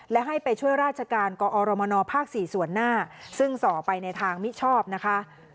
และให้ไปช่วยราชการกอรมนภ๔ส่วนหน้าซึ่งส่อไปในทางมิชอบนะคะ